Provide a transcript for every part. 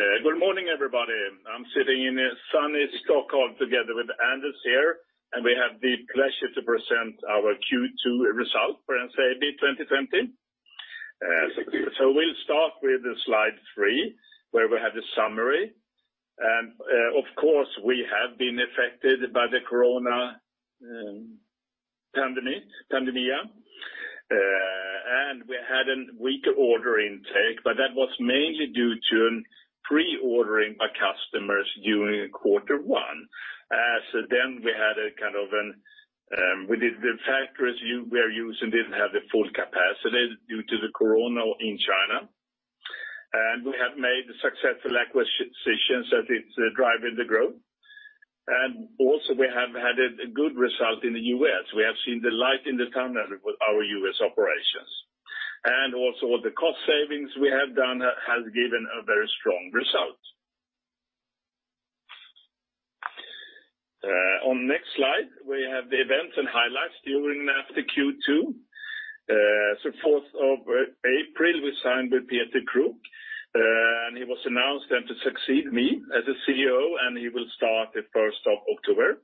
Hey, good morning, everybody. I'm sitting in a sunny Stockholm together with Anders here, and we have the pleasure to present our Q2 results for NCAB 2020. So we'll start with the slide three, where we have the summary, and of course, we have been affected by the corona pandemic. We had a weaker order intake, but that was mainly due to pre-ordering by customers during quarter one, so then the factories we are using didn't have the full capacity due to the corona in China, and we have made successful acquisitions as it's driving the growth, and also, we have had a good result in the U.S. We have seen the light in the tunnel with our U.S. operations. And also, the cost savings we have done has given a very strong result. On next slide, we have the events and highlights during the Q2. So April 4th, we signed with Peter Kruk, and he was announced then to succeed me as a CEO, and he will start the first of October.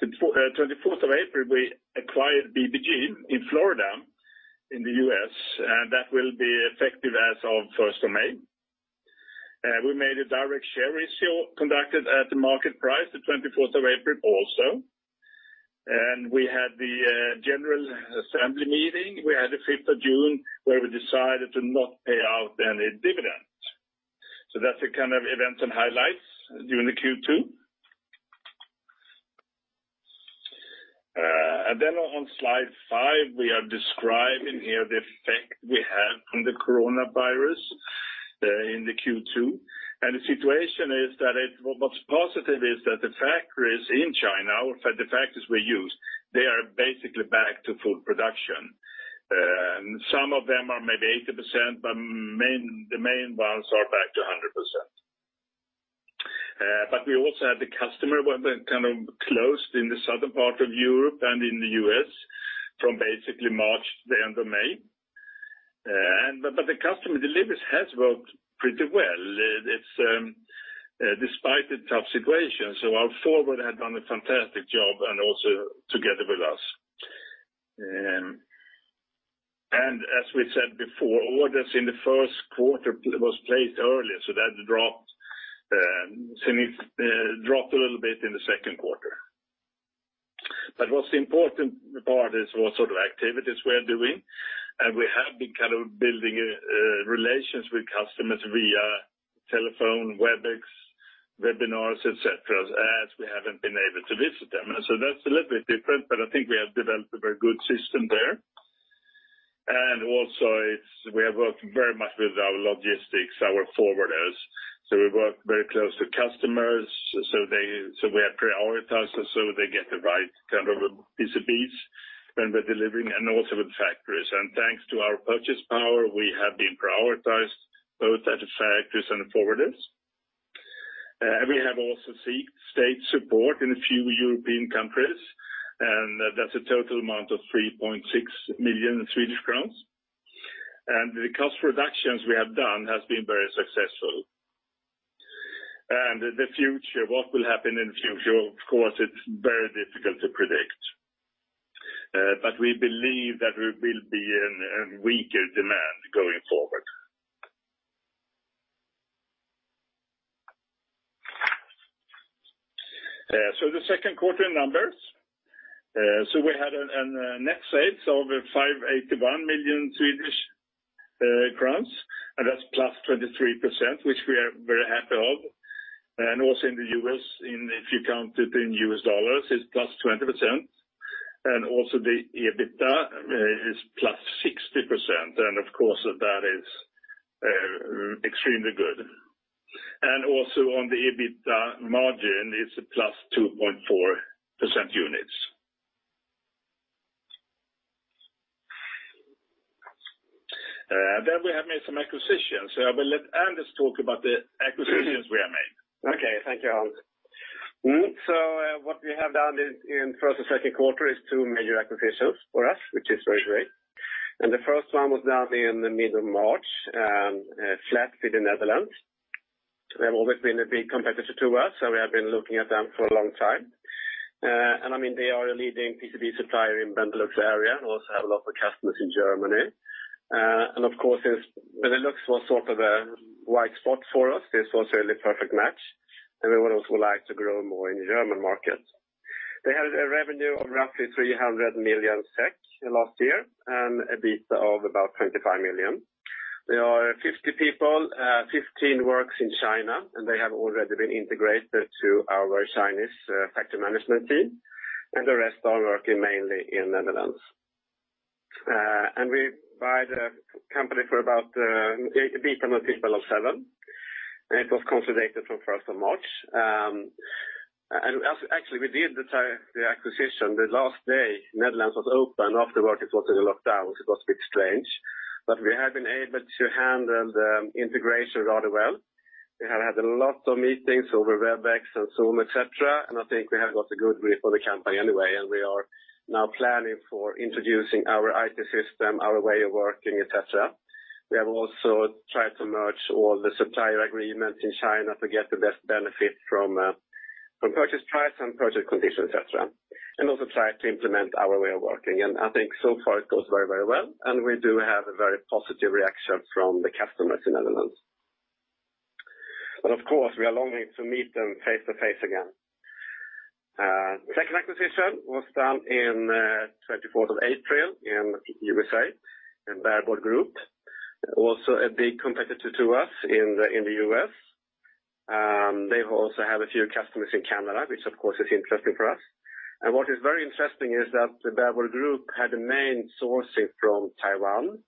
The April 24th, we acquired BBG in Florida, in the U.S., and that will be effective as of May 1st. We made a direct share issue conducted at the market price, the April 24th also. And we had the general assembly meeting. We had the June 5th, where we decided to not pay out any dividend. So that's the kind of events and highlights during the Q2. And then on slide five, we are describing here the effect of the coronavirus in Q2. The situation is that what's positive is that the factories in China, or the factories we use, they are basically back to full production. And some of them are maybe 80%, but the main ones are back to 100%. But we also had the customers where they're kind of closed in the southern part of Europe and in the U.S., from basically March to the end of May. And but the customer deliveries has worked pretty well. It's despite the tough situation, so our forwarder had done a fantastic job and also together with us. And as we said before, orders in the first quarter was placed earlier, so that dropped a little bit in the second quarter. But what's important part is what sort of activities we're doing, and we have been kind of building relations with customers via telephone, Webex, webinars, et cetera, as we haven't been able to visit them. So that's a little bit different, but I think we have developed a very good system there. And also, it's we have worked very much with our logistics, our forwarders. So we work very close to customers, so they, so we have prioritized so they get the right kind of PCBs when we're delivering, and also with factories. And thanks to our purchase power, we have been prioritized both at the factories and the forwarders. We have also seeked state support in a few European countries, and that's a total amount of 3.6 million Swedish crowns. The cost reductions we have done has been very successful. The future, what will happen in the future? Of course, it's very difficult to predict. But we believe that there will be a weaker demand going forward. The second quarter numbers. We had a net sales of 581 million Swedish crowns, and that's +23%, which we are very happy of. Also in the U.S., if you count it in U.S. dollars, it's +20%, and also the EBITDA is +60%, and of course, that is extremely good. Also on the EBITDA margin, it's a +2.4% units. Then we have made some acquisitions, so I will let Anders talk about the acquisitions we have made. Okay, thank you, Hans. What we have done in first and second quarter is two major acquisitions for us, which is very great. The first one was done in the mid of March, Flatfield in the Netherlands. They have always been a big competitor to us, so we have been looking at them for a long time. I mean, they are a leading PCB supplier in Benelux area, and also have a lot of customers in Germany. Of course, Benelux was sort of a white spot for us. This was really perfect match, and we would also like to grow more in the German market. They had a revenue of roughly 300 million SEK last year, and EBITDA of about 25 million. They are 50 people, 15 works in China, and they have already been integrated to our Chinese factory management team, and the rest are working mainly in Netherlands. And we buy the company for about EBITDA multiple of seven, and it was consolidated from March 1st. And actually, we did the acquisition the last day Netherlands was open. Afterward, it was in a lockdown, so it was a bit strange. But we have been able to handle the integration rather well. We have had a lot of meetings over Webex and Zoom, etc., and I think we have got a good grip on the company anyway, and we are now planning for introducing our IT system, our way of working, etc. We have also tried to merge all the supplier agreements in China to get the best benefit from from purchase price and purchase conditions, etc., and also try to implement our way of working, and I think so far it goes very, very well, and we do have a very positive reaction from the customers in Netherlands, but of course, we are longing to meet them face to face again. The second acquisition was done in April 24th in U.S.A., in Bare Board Group, also a big competitor to us in the U.S.. They also have a few customers in Canada, which of course is interesting for us, and what is very interesting is that the Bare Board Group had the main sourcing from Taiwan,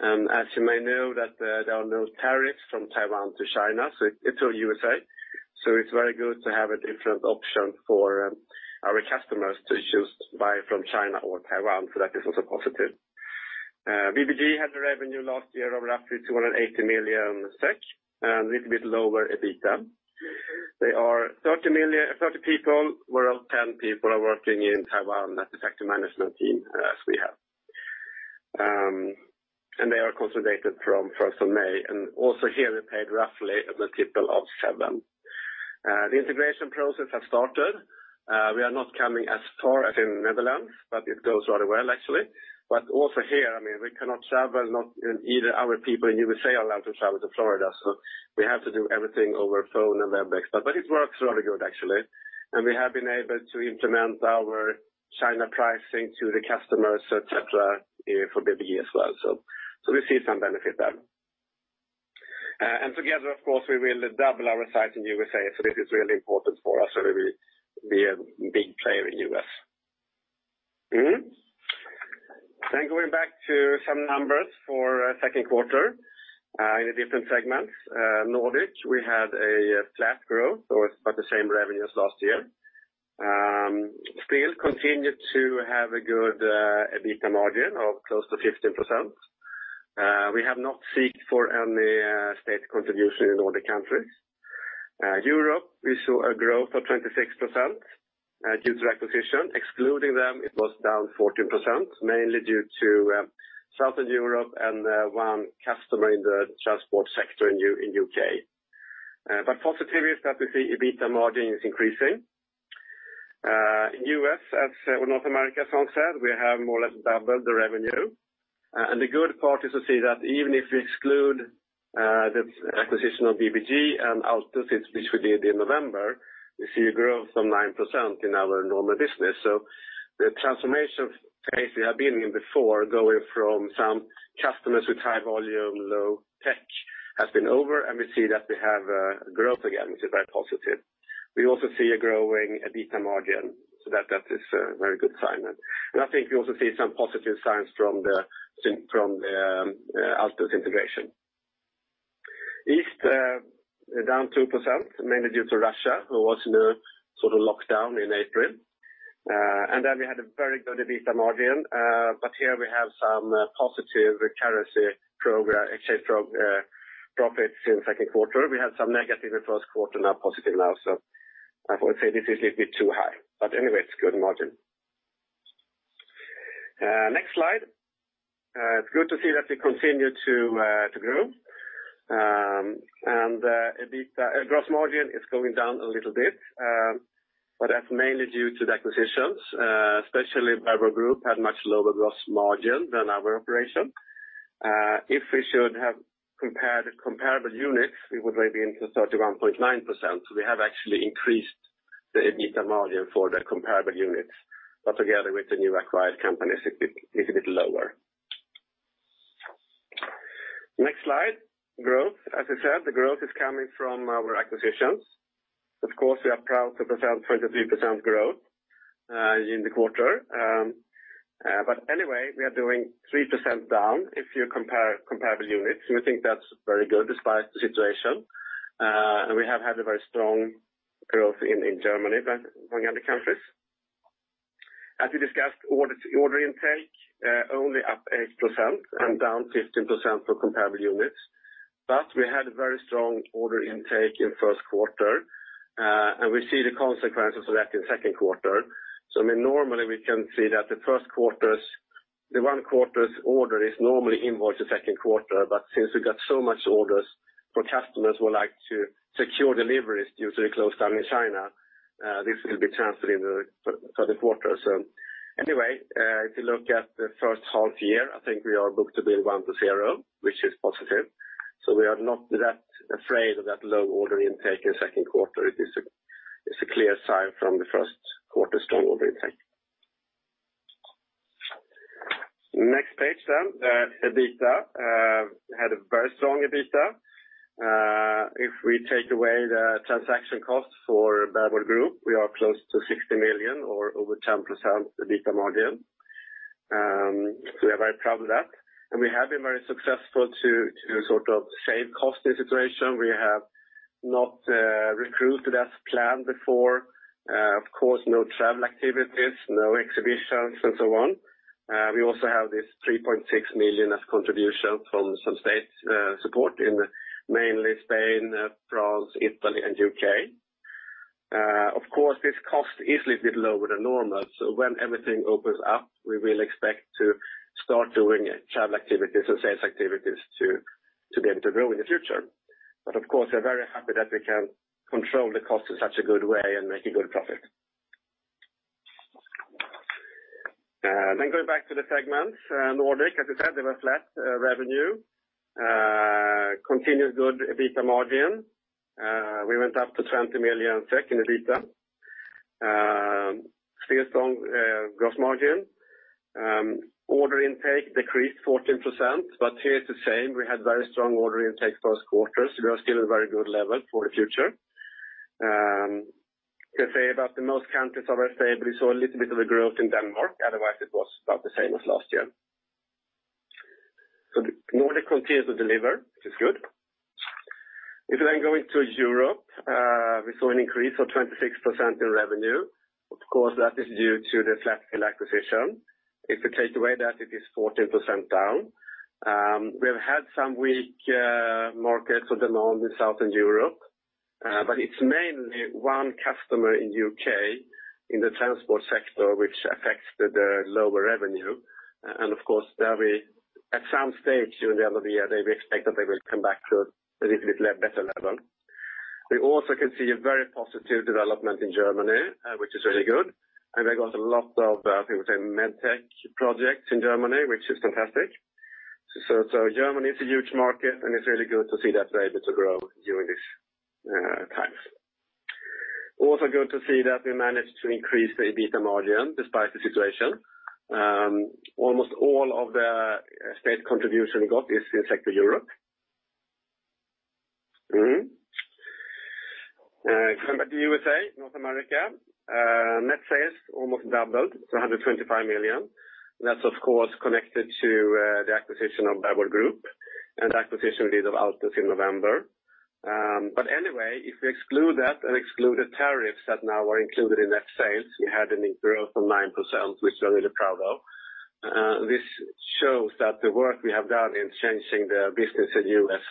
and as you may know, that there are no tariffs from Taiwan to China, so it's all U.S.A.. So it's very good to have a different option for our customers to choose to buy from China or Taiwan, so that is also positive. BBG had a revenue last year of roughly 280 million SEK, and a little bit lower EBITDA. They are 30 million- 30 people, where all 10 people are working in Taiwan, that's the factory management team, as we have. And they are consolidated from May 1st, and also here, we paid roughly a multiple of seven. The integration process has started. We are not coming as far as in Netherlands, but it goes rather well, actually. But also here, I mean, we cannot travel, not either our people in U.S.A. are allowed to travel to Florida, so we have to do everything over phone and Webex. But it works rather good, actually, and we have been able to implement our China pricing to the customers, etc., for BBG as well. So we see some benefit there. And together, of course, we will double our size in U.S.A., so this is really important for us, so we will be a big player in U.S.. Then going back to some numbers for second quarter in the different segments. Nordic, we had a flat growth, so it's about the same revenue as last year. Still continue to have a good EBITDA margin of close to 15%. We have not sought for any state contribution in all the countries. Europe, we saw a growth of 26%, due to acquisition. Excluding them, it was down 14%, mainly due to Southern Europe and one customer in the transport sector in U.K., but positive is that the EBITDA margin is increasing. In U.S., as North America, Hans said, we have more or less doubled the revenue, and the good part is to see that even if we exclude the acquisition of BBG and Altus, which we did in November, we see a growth of 9% in our normal business. The transformation phase we have been in before, going from some customers with high volume, low tech, has been over, and we see that we have growth again, which is very positive. We also see a growing EBITDA margin, so that is a very good sign. I think we also see some positive signs from the Altus integration. East down 2%, mainly due to Russia, who was in a sort of lockdown in April. And then we had a very good EBITDA margin, but here we have some positive currency program exchange profits in second quarter. We had some negative in first quarter, now positive now. So I would say this is a little bit too high, but anyway, it's good margin. Next slide. It's good to see that we continue to grow. And EBITDA gross margin is going down a little bit, but that's mainly due to the acquisitions, especially Bare Board Group had much lower gross margin than our operation. If we should have compared comparable units, we would maybe into 31.9%. We have actually increased the EBITDA margin for the comparable units, but together with the new acquired companies, it's a bit, it's a bit lower. Next slide, growth. As I said, the growth is coming from our acquisitions. Of course, we are proud to present 23% growth in the quarter. But anyway, we are doing 3% down if you compare comparable units, and we think that's very good despite the situation. And we have had a very strong growth in Germany, but among other countries. As we discussed, order intake only up 8% and down 15% for comparable units. But we had a very strong order intake in first quarter, and we see the consequences of that in second quarter. So I mean, normally, we can see that the first quarter's order is normally invoiced the second quarter, but since we got so much orders for customers who like to secure deliveries due to the close down in China, this will be transferred in the third quarter. So anyway, if you look at the first half year, I think we are booked to bill one to zero, which is positive. So we are not that afraid of that low order intake in second quarter. It is a, it's a clear sign from the first quarter strong order intake. Next page, then. EBITDA had a very strong EBITDA. If we take away the transaction costs for Bare Board Group, we are close to 60 million or over 10% EBITDA margin. So we are very proud of that, and we have been very successful to sort of save cost in situation. We have not recruited as planned before. Of course, no travel activities, no exhibitions, and so on. We also have this 3.6 million as contribution from some state support in mainly Spain, France, Italy, and U.K.. Of course, this cost is a little bit lower than normal, so when everything opens up, we will expect to start doing travel activities and sales activities to be able to grow in the future. But of course, we're very happy that we can control the cost in such a good way and make a good profit. Then going back to the segments, Nordic, as I said, they were flat revenue. Continued good EBITDA margin. We went up to 20 million SEK in EBITDA. Still strong gross margin. Order intake decreased 14%, but here it's the same. We had very strong order intake first quarter, so we are still a very good level for the future. Let's say that the most countries are very stable. We saw a little bit of a growth in Denmark, otherwise it was about the same as last year. So the Nordic continues to deliver, which is good. If we then go into Europe, we saw an increase of 26% in revenue. Of course, that is due to the Flatfield acquisition. If we take away that, it is 14% down. We have had some weak markets at the moment in Southern Europe, but it's mainly one customer in the U.K., in the transport sector, which affects the lower revenue. Of course, they'll be back at some stage during the end of the year. They will expect that they will come back to a little bit better level. We also can see a very positive development in Germany, which is really good, and we got a lot of people say, medtech projects in Germany, which is fantastic. Germany is a huge market, and it's really good to see that they're able to grow during this times. Also good to see that we managed to increase the EBITDA margin despite the situation. Almost all of the state contribution we got is in sector Europe. Mm-hmm. Coming back to U.S.A., North America, net sales almost doubled to 125 million. That's of course connected to the acquisition of Bare Board Group and the acquisition we did of Altus in November. But anyway, if we exclude that and exclude the tariffs that now are included in net sales, we had a growth of 9%, which we're really proud of. This shows that the work we have done in changing the business in US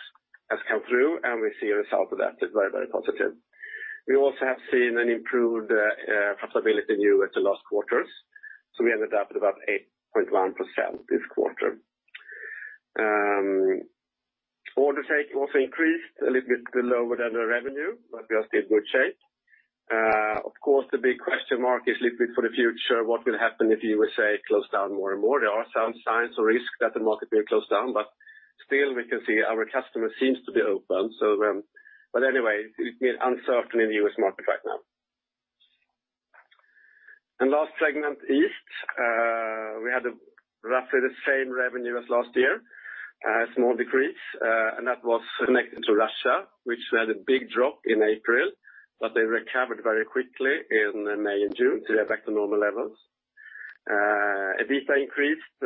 has come through, and we see a result of that is very, very positive. We also have seen an improved profitability in U.S. the last quarters, so we ended up at about 8.1% this quarter. Order intake also increased a little bit below with the revenue, but we are still in good shape. Of course, the big question mark is little bit for the future, what will happen if U.S.A. close down more and more? There are some signs or risks that the market will close down, but still we can see our customers seems to be open. So, but anyway, it's been uncertainty in the U.S. market right now. Last segment, East. We had roughly the same revenue as last year, a small decrease, and that was connected to Russia, which had a big drop in April, but they recovered very quickly in May and June to get back to normal levels. EBITDA increased.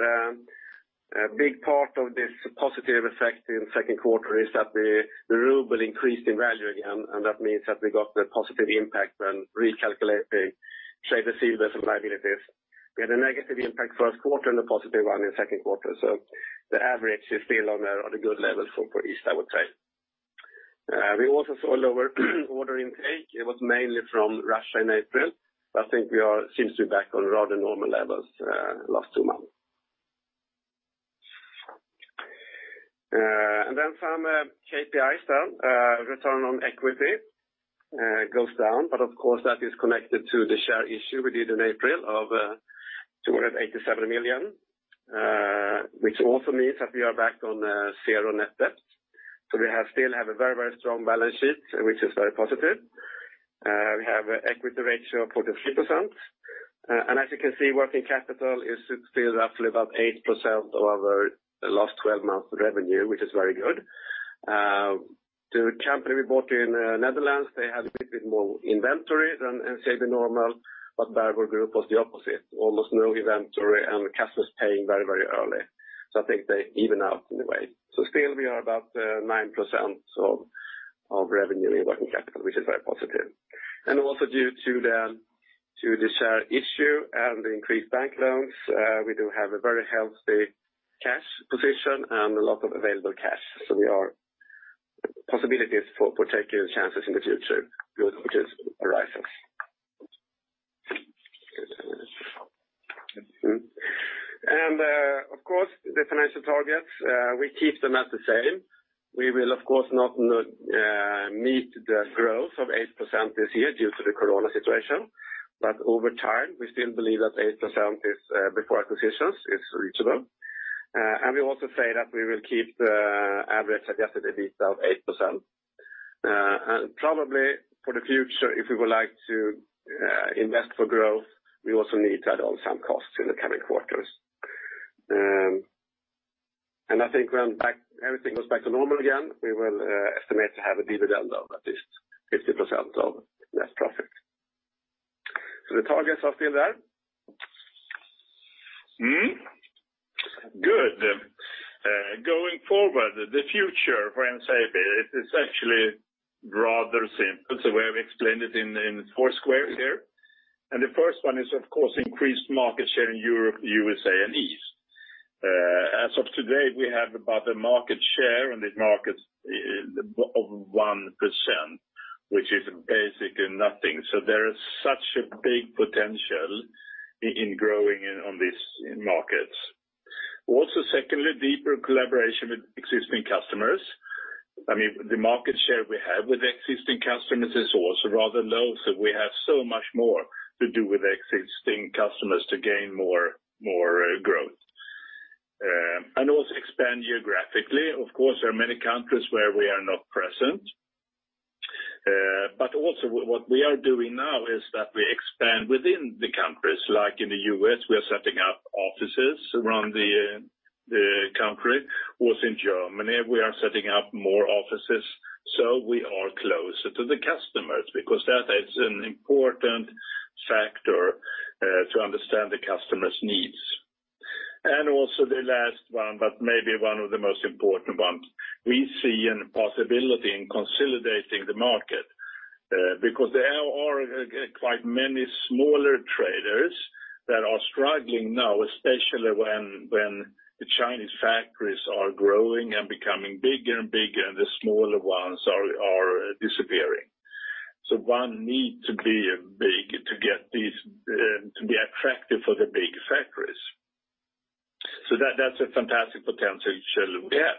A big part of this positive effect in the second quarter is that the ruble increased in value again, and that means that we got the positive impact when recalculating trade receivables and liabilities. We had a negative impact first quarter and a positive one in the second quarter, so the average is still on a good level for East, I would say. We also saw lower order intake. It was mainly from Russia in April, but I think we seem to be back on rather normal levels last two months. And then some KPIs: return on equity goes down, but of course that is connected to the share issue we did in April of 287 million, which also means that we are back on zero net debt, so we have a very, very strong balance sheet, which is very positive. We have an equity ratio of 43%. And as you can see, working capital is still roughly about 8% of our last 12 months revenue, which is very good. The company we bought in Netherlands, they have a little bit more inventory than say the normal, but Bare Board Group was the opposite. Almost no inventory, and the customers paying very, very early. So I think they even out in a way. So still we are about 9% of revenue in working capital, which is very positive. And also due to the share issue and the increased bank loans, we do have a very healthy cash position and a lot of available cash. So we are possibilities for taking chances in the future, good chances arises. Of course, the financial targets, we keep them as the same. We will, of course, not meet the growth of 8% this year due to the corona situation, but over time, we still believe that 8% is, before acquisitions, is reachable. And we also say that we will keep the average adjusted EBITDA of 8%. And probably for the future, if we would like to invest for growth, we also need to add on some costs in the coming quarters. And I think when everything goes back to normal again, we will estimate to have a dividend of at least 50% of net profit. So the targets are still there. Going forward, the future for NCAB, it is actually rather simple, so we have explained it in four squares here, and the first one is, of course, increased market share in Europe, U.S.A., and East. As of today, we have about a market share in these markets of 1%, which is basically nothing. So there is such a big potential in growing in on these markets. Also, secondly, deeper collaboration with existing customers. I mean, the market share we have with existing customers is also rather low, so we have so much more to do with existing customers to gain more growth and also expand geographically. Of course, there are many countries where we are not present but also what we are doing now is that we expand within the countries, like in the U.S., we are setting up offices around the country. Also in Germany, we are setting up more offices, so we are closer to the customers because that is an important factor to understand the customer's needs. And also the last one, but maybe one of the most important ones, we see a possibility in consolidating the market, because there are quite many smaller traders that are struggling now, especially when the Chinese factories are growing and becoming bigger and bigger, and the smaller ones are disappearing. So one need to be big to get these, to be attractive for the big factories. So that's a fantastic potential there.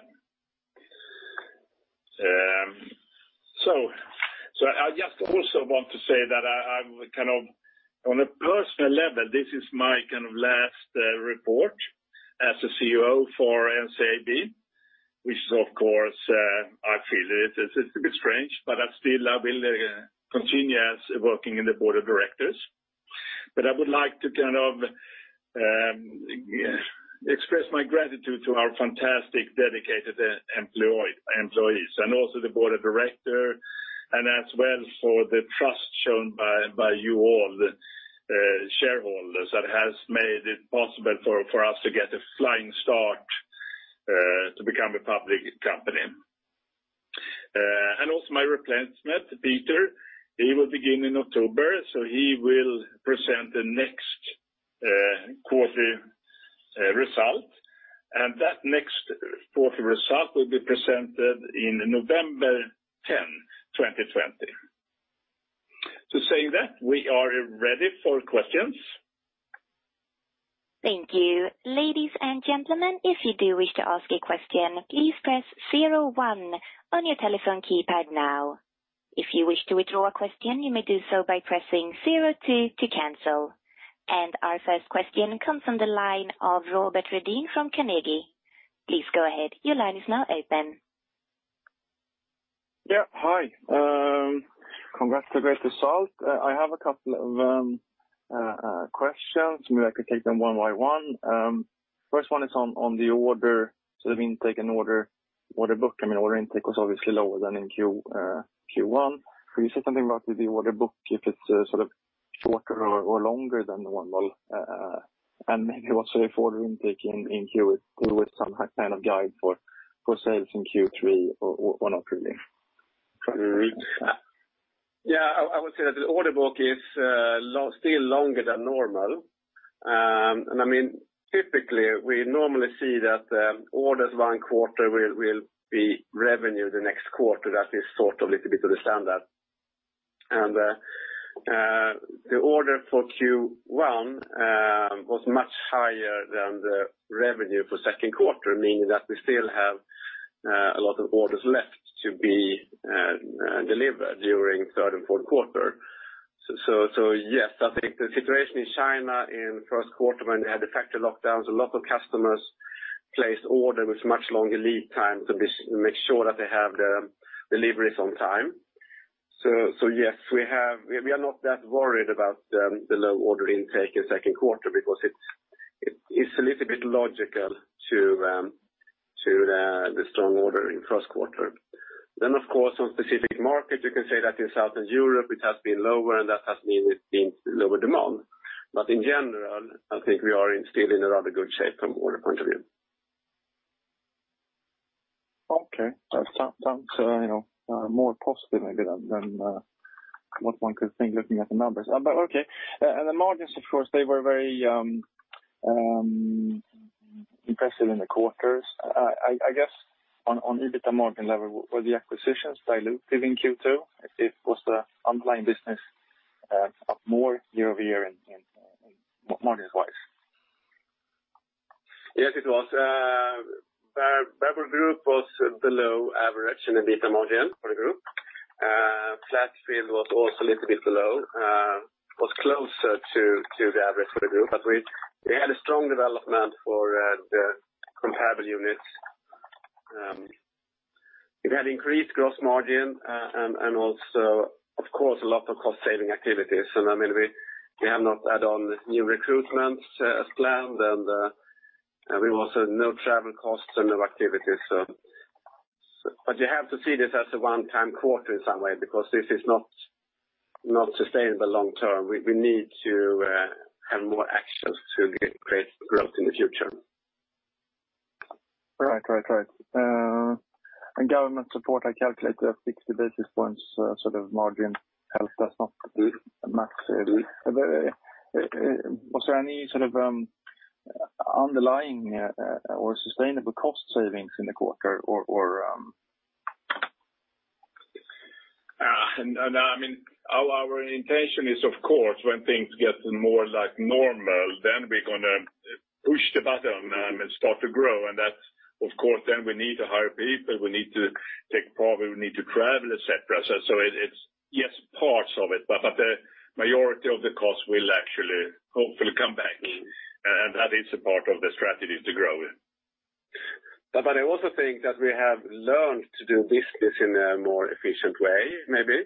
So I just also want to say that I'm kind of on a personal level, this is my kind of last report as a CEO for NCAB, which is, of course, I feel it, it's a bit strange, but I still, I will continue as working in the board of directors. I would like to kind of express my gratitude to our fantastic, dedicated employees, and also the board of directors, and as well for the trust shown by you all shareholders, that has made it possible for us to get a flying start to become a public company. Also my replacement, Peter, he will begin in October, so he will present the next quarterly result. That next quarterly result will be presented on November 10, 2020. With that, we are ready for questions. Thank you. Ladies and gentlemen, if you do wish to ask a question, please press zero-one on your telephone keypad now. If you wish to withdraw a question, you may do so by pressing zero-two to cancel. And our first question comes from the line of Robert Redin from Carnegie. Please go ahead. Your line is now open. Yeah, hi. Congrats, a great result. I have a couple of questions. Maybe I could take them one by one. First one is on the order, so the intake and order book. I mean, order intake was obviously lower than in Q1. Can you say something about the order book, if it's sort of shorter or longer than normal? And maybe also for the intake in Q with some kind of guide for sales in Q3 or not really? Try to read. Yeah, I would say that the order book is still longer than normal. And I mean, typically, we normally see that orders one quarter will be revenue the next quarter. That is sort of little bit of the standard. And the order for Q1 was much higher than the revenue for second quarter, meaning that we still have a lot of orders left to be delivered during third and fourth quarter. So yes, I think the situation in China in first quarter, when they had the factory lockdowns, a lot of customers placed order with much longer lead time to make sure that they have the deliveries on time. Yes, we are not that worried about the low order intake in second quarter because it is a little bit logical to the strong order in first quarter. Then, of course, on specific markets, you can say that in Southern Europe, it has been lower, and that has meant it's been lower demand. But in general, I think we are still in a rather good shape from order point of view. Okay. That sounds more positive maybe than what one could think looking at the numbers, but okay, and the margins, of course, they were very impressive in the quarters. I guess on EBITDA margin level, were the acquisitions dilutive in Q2? If it was the underlying business up more year-over-year in margins wise? Yes, it was. Bare Board Group was below average in EBITDA margin for the group. Flatfield was also a little bit below, was closer to the average for the group, but we, we had a strong development for the comparable units. It had increased gross margin, and also, of course, a lot of cost saving activities. So I mean, we, we have not add on new recruitments, as planned, and we also no travel costs and no activities. But you have to see this as a one-time quarter in some way, because this is not sustainable long term. We, we need to have more actions to get great growth in the future. Right, right, right. And government support, I calculate, 60 basis points, sort of margin health. That's not much. But was there any sort of underlying or sustainable cost savings in the quarter or I mean, our intention is, of course, when things get more like normal, then we're gonna push the button and start to grow. That's of course then we need to hire people, we need to take part, we need to travel, etc. It's yes, parts of it, but the majority of the costs will actually hopefully come back, and that is a part of the strategy to grow it. I also think that we have learned to do business in a more efficient way, maybe.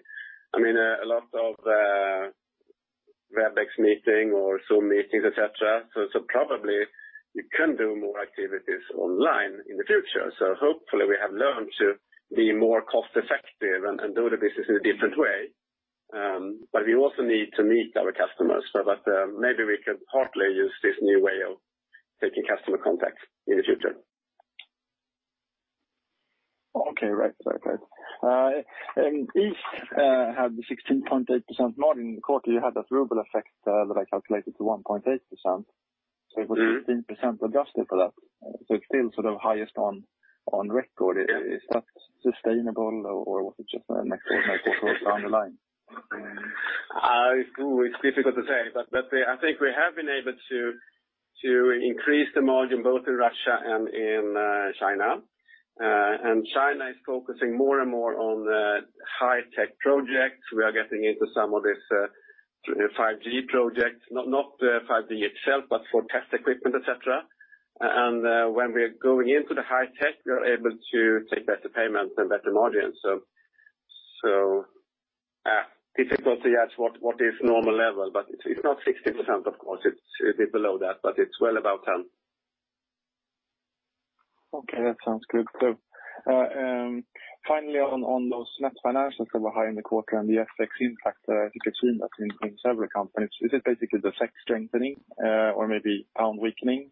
I mean, a lot of Webex meetings or Zoom meetings, et cetera, so probably we can do more activities online in the future. Hopefully we have learned to be more cost effective and do the business in a different way. But we also need to meet our customers, so maybe we can partly use this new way of taking customer contacts in the future. Okay. Right. Okay. And each had the 16.8% margin quarter, you had that ruble effect that I calculated to 1.8%. So it was 18% adjusted for that. So it's still sort of highest on record. Is that sustainable or was it just an extraordinary quarter down the line? It's difficult to say, but I think we have been able to increase the margin both in Russia and in China, and China is focusing more and more on the high tech projects. We are getting into some of this 5G projects, not the 5G itself, but for test equipment, et cetera, and when we are going into the high tech, we are able to take better payments and better margins, so difficult to guess what is normal level, but it's not 60%, of course, it's below that, but it's well above 10%. Okay, that sounds good. So, finally, on those net financials that were high in the quarter and the FX impact, I think you've seen that in several companies. Is it basically the SEK strengthening, or maybe pound weakening?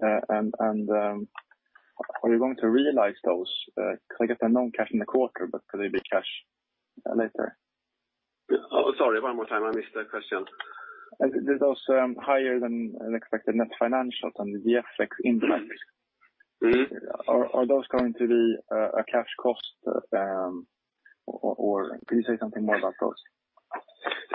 And are you going to realize those? Because I guess they're non-cash in the quarter, but could they be cash later? Oh, sorry, one more time. I missed that question. Did those higher than expected net financials and the FX impact- Mm-hmm. Are those going to be a cash cost, or can you say something more about those?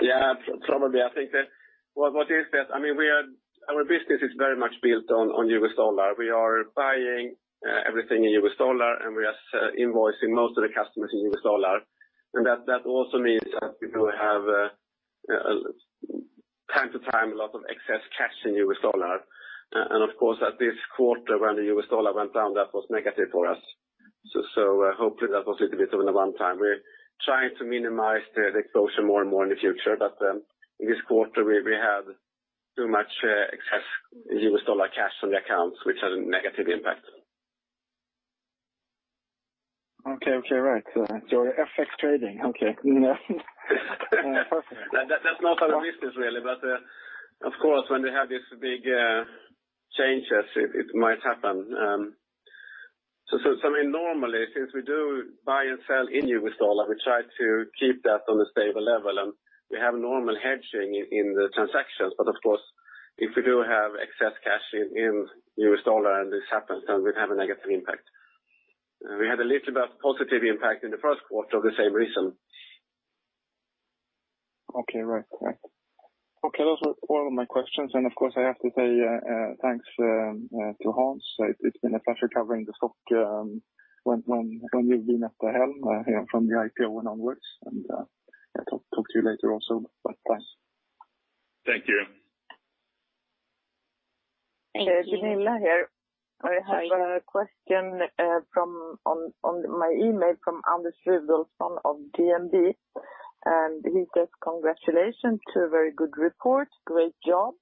Yeah, probably. I think that. What is that? I mean, our business is very much built on U.S. dollar. We are buying everything in U.S. dollar, and we are invoicing most of the customers in U.S. dollar. And that also means that we will have time to time a lot of excess cash in U.S. dollar. And of course, in this quarter, when the U.S. dollar went down, that was negative for us. So, hopefully, that was a little bit of a one time. We are trying to minimize the exposure more and more in the future, but in this quarter, we had too much excess U.S. dollar cash on the accounts, which had a negative impact. Okay. Okay. Right. So you're FX trading. Okay. Perfect. That, that's not our business, really. But, of course, when we have these big changes, it might happen. So, I mean, normally, since we do buy and sell in U.S. dollar, we try to keep that on a stable level, and we have normal hedging in the transactions. But of course, if we do have excess cash in U.S. dollar and this happens, then we have a negative impact. We had a little bit of positive impact in the first quarter of the same reason. Okay. Right. Right. Okay, those were all of my questions. And of course, I have to say thanks to Hans. It's been a pleasure covering the stock when you've been at the helm from the IPO and onwards, and I talk to you later also, but thanks. Thank you. Thank you. Gunilla here. Hi. I have a question from one on my email, from Anders Rudolfsson of DNB, and he says congratulations to a very good report. Great job.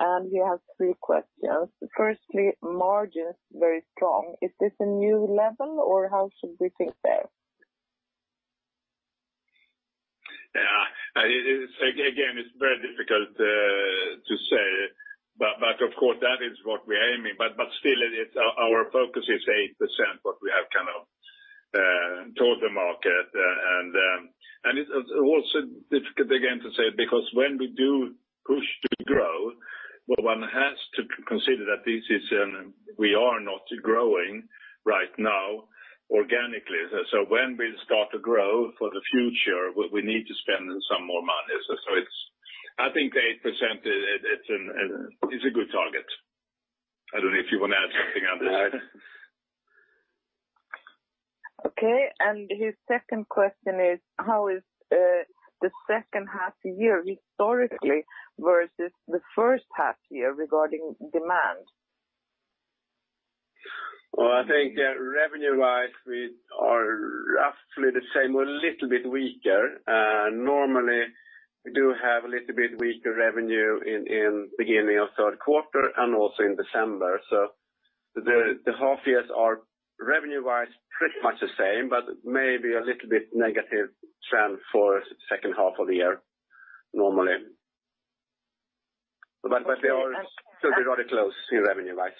And he has three questions. Firstly, margin is very strong. Is this a new level, or how should we think there? Yeah, it is, again, it's very difficult to say, but of course, that is what we're aiming. But still, it is our focus: 8%, what we have kind of told the market. And it's also difficult again to say, because when we do push to grow, well, one has to consider that this is... We are not growing right now organically. So when we start to grow for the future, we need to spend some more money. So it's, I think the 8% is a good target. I don't know if you want to add something on this? Okay. And his second question is: How is the second half year historically versus the first half year regarding demand? I think that revenue-wise, we are roughly the same or a little bit weaker. Normally, we do have a little bit weaker revenue in beginning of third quarter and also in December. So the half years are revenue-wise, pretty much the same, but maybe a little bit negative trend for second half of the year, normally. But they are still very close to revenue-wise.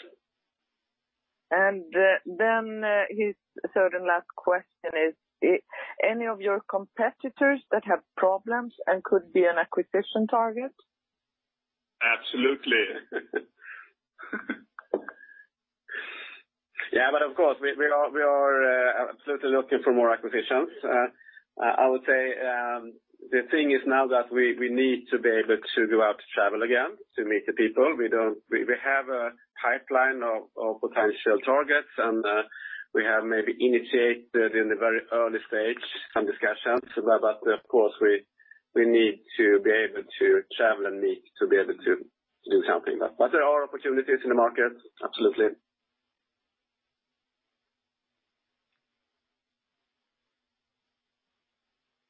His third and last question is: Any of your competitors that have problems and could be an acquisition target? Absolutely. Yeah, but of course, we are absolutely looking for more acquisitions. I would say, the thing is now that we need to be able to go out to travel again, to meet the people. We have a pipeline of potential targets, and we have maybe initiated in the very early stage, some discussions, but of course, we need to be able to travel and meet to be able to do something. But there are opportunities in the market, absolutely.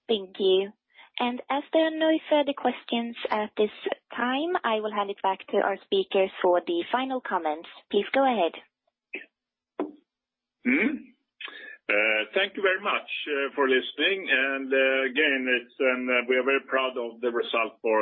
Thank you, and as there are no further questions at this time, I will hand it back to our speakers for the final comments. Please go ahead. Mm-hmm. Thank you very much for listening. And again, we are very proud of the result for-